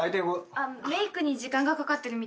メークに時間がかかってるみたいで。